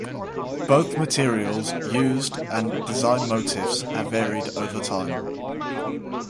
Both materials used and design motifs have varied over time.